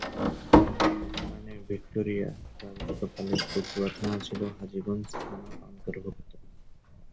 মহারাণী Victoria রাজত্বকালে কচুয়া থানা ছিল হাজীগঞ্জ থানার অন্তর্ভুক্ত।